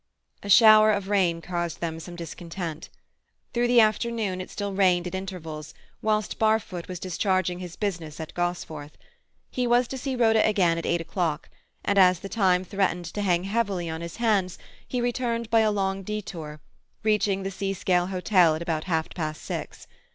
A shower of rain caused them some discomfort. Through the afternoon it still rained at intervals whilst Barfoot was discharging his business at Gosforth. He was to see Rhoda again at eight o'clock, and as the time threatened to hang heavily on his hands he returned by a long detour, reaching the Seascale hotel about half past six.